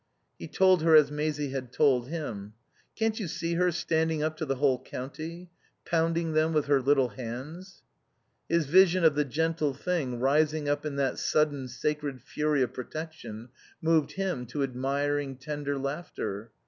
He told her as Maisie had told him. "Can't you see her, standing up to the whole county? Pounding them with her little hands." His vision of the gentle thing, rising up in that sudden sacred fury of protection, moved him to admiring, tender laughter.